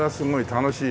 楽しいよ。